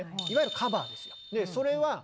いわゆる「カバー」ですよ。